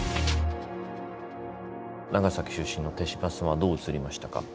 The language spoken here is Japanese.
長崎出身の手島さんはどう映りましたか？